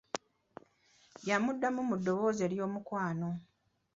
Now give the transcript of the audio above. Yamuddamu mu ddoboozi ery'omukwano.